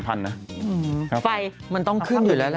ไฟมันต้องขึ้นอยู่แล้วล่ะ